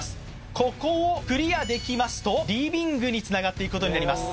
ここをクリアできますとリビングにつながっていくことになります